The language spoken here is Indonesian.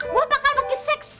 gua bakal pake seksi